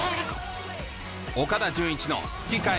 岡田准一の吹き替え